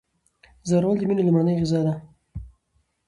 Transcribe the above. ځورول د میني لومړنۍ غذا ده.